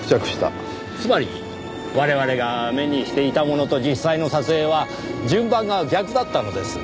つまり我々が目にしていたものと実際の撮影は順番が逆だったのです。